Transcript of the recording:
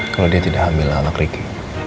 kalau dia tidak hamil lah anak ricky